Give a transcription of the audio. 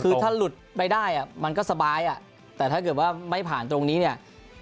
คือถ้าหลุดไปได้มันก็สบายแต่ถ้าเกิดว่าไม่ผ่านตรงนี้เนี่ย